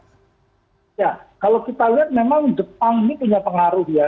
ya kalau kita lihat memang jepang ini punya pengaruh ya